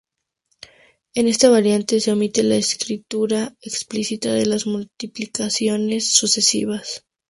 En esta variante, se omite la escritura explícita de las multiplicaciones sucesivas.